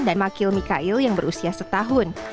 dan makil mikail yang berusia satu tahun